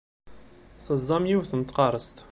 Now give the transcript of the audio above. Teẓẓem yiwet n tqarest.